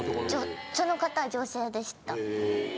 その方女性でした。